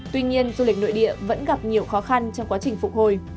tuy nhiên du lịch nội địa vẫn gặp nhiều khó khăn trong quá trình phục hồi